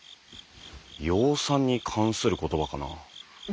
養蚕に関する言葉かな？